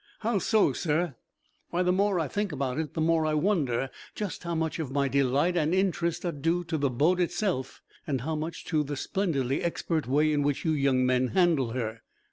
"How so, sir?" "Why, the more I think about it, the more I wonder just how much of my delight and interest are due to the boat itself, and how much to the splendidly expert way in which you young men handle her."